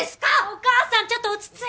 お母さんちょっと落ち着いて。